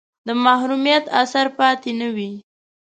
د محرومیت اثر پاتې نه وي.